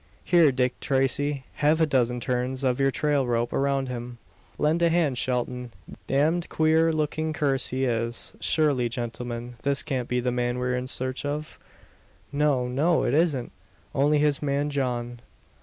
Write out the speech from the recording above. Here, Dick Tracey! half a dozen turns of your trail rope round him. Lend a hand, Shelton! Damned queer looking curse he is! Surely, gentlemen, this can't be the man we're in search of?" "No, no! it isn't. Only his man John."